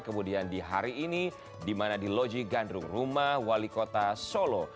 kemudian di hari ini di mana di loji gandrung rumah wali kota solo